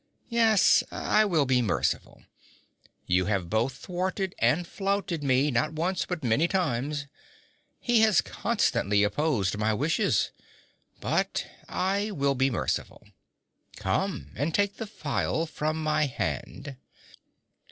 Yes, I will be merciful. You have both thwarted and flouted me, not once but many times; he has constantly opposed my wishes. But I will be merciful. Come and take the phial from my hand.'